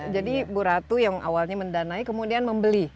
jadi bu ratu yang awalnya mendanai kemudian membeli